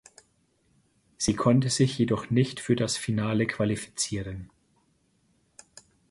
Sie konnte sich jedoch nicht für das Finale qualifizieren.